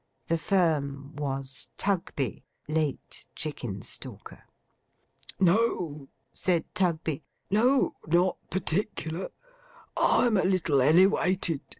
The firm was Tugby, late Chickenstalker. 'No,' said Tugby. 'No. Not particular. I'm a little elewated.